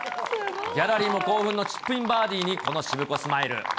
ギャラリーも興奮のチップインバーディーに、このしぶこスマイル。